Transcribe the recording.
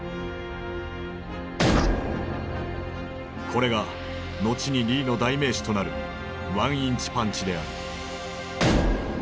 これが後にリーの代名詞となる「ワンインチパンチ」である。